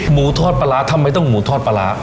หมูทอดปลาร้าทำไมต้องหมูทอดปลาร้า